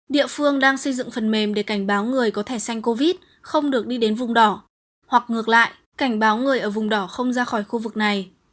địa phương đang xây dựng phần mềm để cảnh báo người có thẻ xanh covid không được đi đến vùng đỏ hoặc ngược lại cảnh báo người ở vùng đỏ không ra khỏi khu vực này